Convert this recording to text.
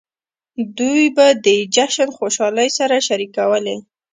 دوی به د جشن خوشحالۍ سره شریکولې.